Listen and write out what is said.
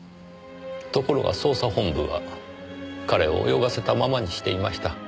ところが捜査本部は彼を泳がせたままにしていました。